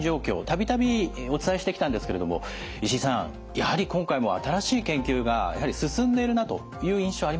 度々お伝えしてきたんですけれども石井さんやはり今回も新しい研究が進んでいるなという印象ありますね。